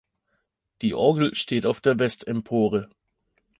Die Orgel steht auf der Westempore.